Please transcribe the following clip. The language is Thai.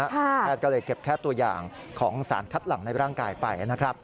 แพทย์ก็เลยเก็บแค่ตัวอย่างของสารคัดหลังในร่างกายไปนะครับ